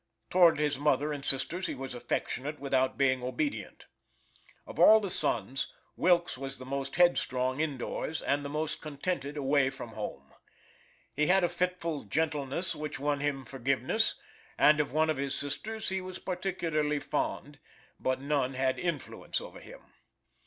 Toward his mother and sisters he was affectionate without being obedient. Of all the sons, Wilkes was the most headstrong in doors, and the most contented away from home. He had a fitful gentleness which won him forgiveness, and of one of his sisters he was particularly fond, but none had influence over him.